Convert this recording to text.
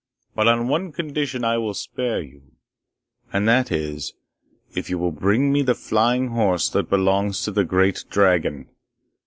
But on one condition I will spare you, and that is, if you will bring me the flying horse that belongs to the great dragon.